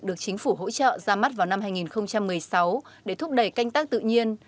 được chính phủ hỗ trợ ra mắt vào năm hai nghìn một mươi sáu để thúc đẩy canh tác tự nhiên